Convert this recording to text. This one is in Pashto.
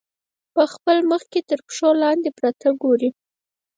په خپل مخ کې تر پښو لاندې پراته ګوري.